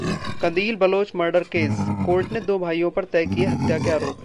कंदील Baloch murder case: court ने दो भाइयों पर तय किए हत्या के आरोप